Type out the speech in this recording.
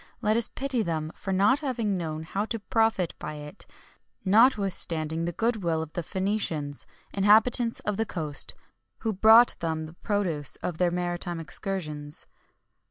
Let us pity them for not having known how to profit by it, notwithstanding the good will of the Phœnicians, inhabitants of the coast, who brought them the produce of their maritime excursions.